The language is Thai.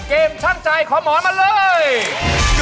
เกมชั่งใจขอหมอนมาเลย